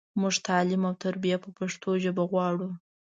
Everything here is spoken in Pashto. مونږ تعلیم او تربیه په پښتو ژبه غواړو.